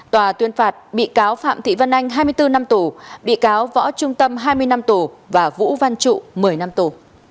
tòa tuyên phạt bị cáo phạm thị văn anh hai mươi bốn năm tù bị cáo võ trung tâm hai mươi năm tù và vũ văn trụ một mươi năm tù